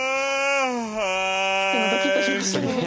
ちょっと今ドキッとしましたね。